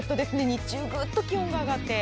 日中グッと気温が上がって。